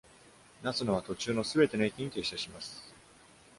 「なすの」は、途中の全ての駅に停車します。